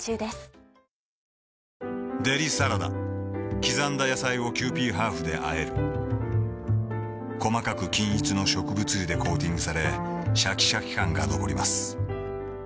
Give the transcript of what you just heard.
デリサラダ刻んだ野菜をキユーピーハーフであえる細かく均一の植物油でコーティングされシャキシャキ感が残ります